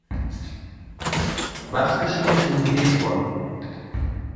Was geschieht in Hebron?